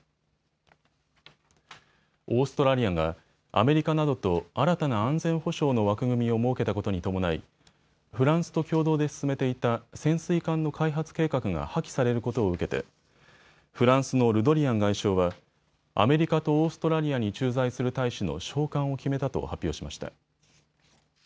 オーストラリアがアメリカなどと新たな安全保障の枠組みを設けたことに伴いフランスと共同で進めていた潜水艦の開発計画が破棄されることを受けてフランスのルドリアン外相はアメリカとオーストラリアに駐在する大使の召還を決めたと発表しました。